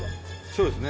そうですね